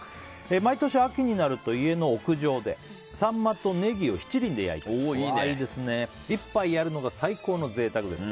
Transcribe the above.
毎年秋になると、家の屋上でサンマとネギを七輪で焼いて１杯やるのが最高の贅沢です。